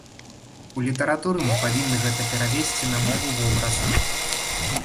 У літаратуры мы павінны гэта перавесці на мову вобраза.